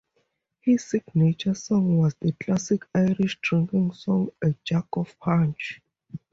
His signature song was the classic Irish drinking song, A Jug of Punch.